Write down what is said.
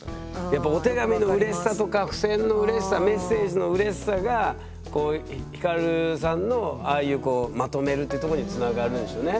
やっぱお手紙のうれしさとか付箋のうれしさメッセージのうれしさがヒカルさんのああいうまとめるってとこにつながるんでしょうね。